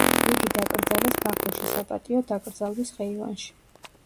იგი დაკრძალეს ბაქოში საპატიო დაკრძალვის ხეივანში.